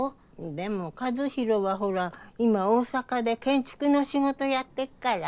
でも和弘はほら今大阪で建築の仕事やってっから。